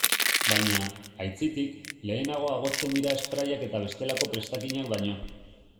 Baina, aitzitik, lehenago agortzen dira sprayak eta bestelako prestakinak baino.